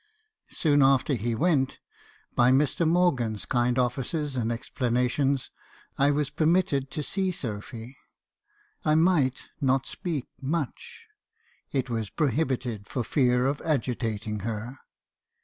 "Soon after he went, by Mr. Morgan's kind offices and ex planations, I was permitted to see Sophy. I might not speak much; it was prohibited for fear of agitating her.